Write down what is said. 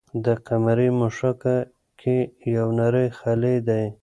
د قمرۍ مښوکه کې یو نری خلی دی.